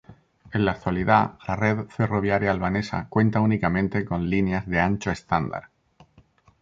En la actualidad, la red ferroviaria albanesa cuenta únicamente con líneas de ancho estándar.